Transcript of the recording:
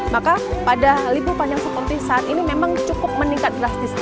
maka pada libur panjang seperti saat ini memang cukup meningkat drastis